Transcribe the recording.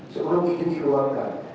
sebelum ini dikeluarkan